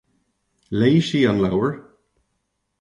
Léigh sí an leabhar.